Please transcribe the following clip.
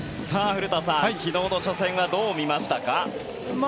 古田さん、昨日の初戦はどう見ましたか。